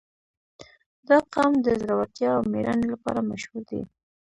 • دا قوم د زړورتیا او مېړانې لپاره مشهور دی.